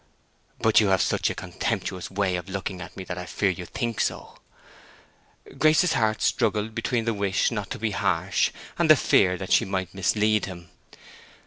"But you have such a contemptuous way of looking at me that I fear you think so." Grace's heart struggled between the wish not to be harsh and the fear that she might mislead him.